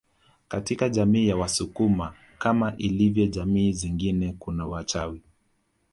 Katika jamii ya wasukuma kama ilivyo jamii zingine kuna wachawi